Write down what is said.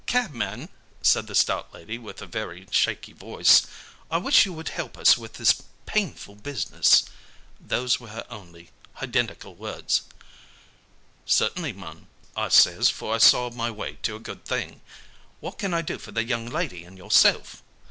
"'Cabman,' said the stout lady, with a very shaky voice, 'I wish you would help us in this painful business.' Those were her very hidentical words. "'Cert'nly, mum,' I says for I saw my way to a good thing. 'What can I do for the young lady and yourself?'